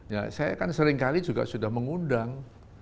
ya saya kan seringkali juga sudah mengundang